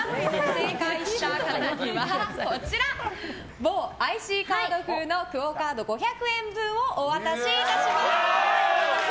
正解した方には、こちら某ＩＣカード風のＱＵＯカード５００円分をお渡しいたします。